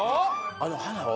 あの花を？